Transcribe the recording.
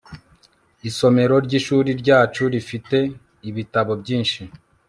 isomero ryishuri ryacu rifite ibitabo byinshi